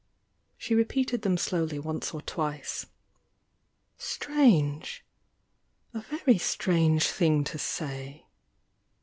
She repeated them slowly once or twice. "Strange! — a very strange thing to say!"